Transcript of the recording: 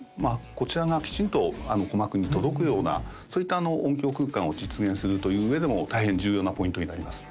こちらがきちんと鼓膜に届くようなそういった音響空間を実現するという上でも大変重要なポイントになります